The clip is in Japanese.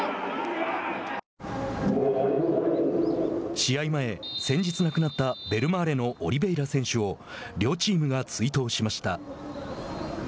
試合前、先日、亡くなったベルマーレのオリベイラ選手を両チームが追悼しました。